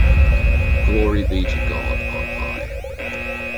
Glory be to God on high.